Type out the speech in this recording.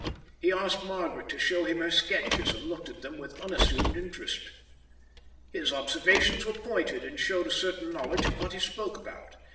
He asked Margaret to show him her sketches and looked at them with unassumed interest. His observations were pointed and showed a certain knowledge of what he spoke about.